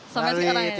sampai sekarang ya